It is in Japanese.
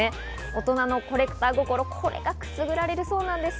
大人のコレクター心、これがくすぐられるそうなんです。